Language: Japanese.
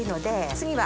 次は。